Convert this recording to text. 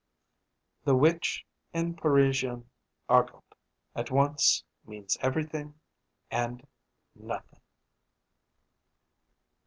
The which, in Parisian argot, at once means everything and nothing.